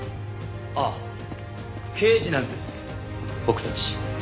あっ刑事なんです僕たち。